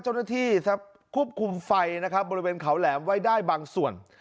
เจ้าหน้าที่ควบคุมไฟนะครับบริเวณเขาแหลมไว้ได้บางส่วน